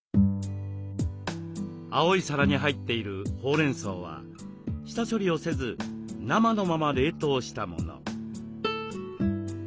青い皿に入っているほうれんそうは下処理をせず生のまま冷凍したもの。